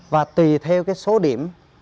và tùy theo số điểm